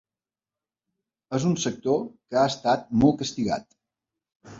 És un sector que ha estat molt castigat.